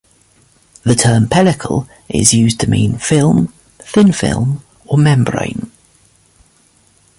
The term "pellicle" is used to mean "film," "thin film," or "membrane.